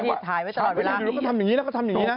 น้าที่ถ่ายไว้ตลอดเวลานี้